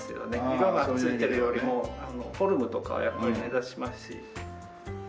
色が付いてるよりもフォルムとかはやっぱり目立ちますし。